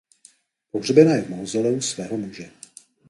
Pohřbena je v mauzoleu svého muže.